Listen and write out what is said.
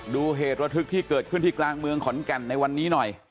เหตุระทึกที่เกิดขึ้นที่กลางเมืองขอนแก่นในวันนี้หน่อย